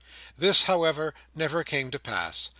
This, however, never came to pass.